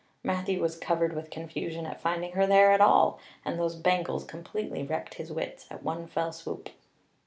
Matthew was covered with confusion at finding her there at all; and those bangles completely wrecked his wits at one fell swoop.